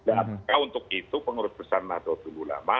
apakah untuk itu pengurus besar nato tululama